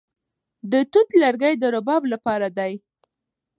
د توت لرګي د رباب لپاره دي.